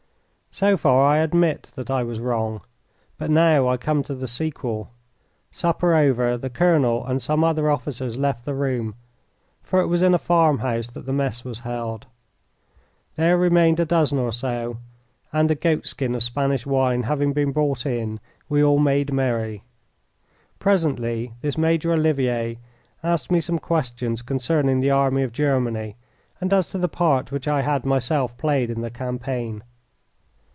So far I admit that I was wrong, but now I come to the sequel. Supper over, the colonel and some other officers left the room, for it was in a farm house that the mess was held. There remained a dozen or so, and a goat skin of Spanish wine having been brought in we all made merry. Presently this Major Olivier asked me some questions concerning the army of Germany and as to the part which I had myself played in the campaign.